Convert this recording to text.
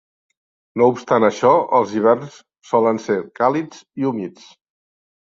No obstant això, els hiverns solen ser càlids i humits.